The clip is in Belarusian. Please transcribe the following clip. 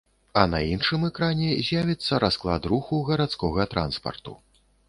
А на іншым экране з'явіцца расклад руху гарадскога транспарту.